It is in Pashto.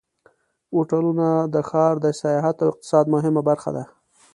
هوټلونه د ښار د سیاحت او اقتصاد مهمه برخه دي.